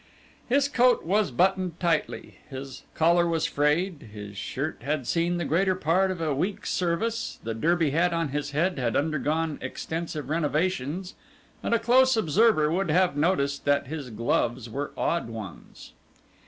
His coat was buttoned tightly, his collar was frayed, his shirt had seen the greater part of a week's service, the Derby hat on his head had undergone extensive renovations, and a close observer would have noticed that his gloves were odd ones.